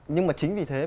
nhưng mà chính vì thế